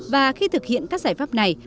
và khi thực hiện các giải pháp này